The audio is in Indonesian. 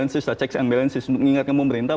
setelah checks and balances mengingatkan pemerintah